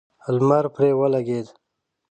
لمر پرې ولګېد.